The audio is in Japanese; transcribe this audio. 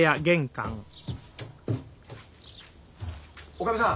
おかみさん。